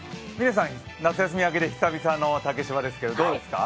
嶺さん、夏休み明けで久々の竹芝ですけど、どうですか？